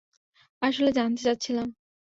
আসলে জানতে চাচ্ছিলাম।